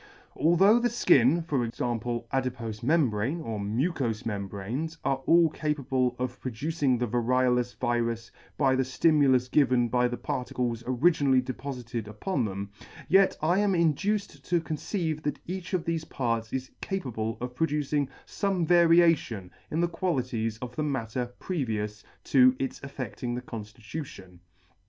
Although the fkin, for example, adipofe membrane, or mucous membranes are all capable of producing the variolous virus by the ftimulus given by the particles originally depofited upon them, yet I am in duced to conceive that each of thefe parts is capable of producing fome variation in the qualities of the matter previous to its affe&ing the conftitution.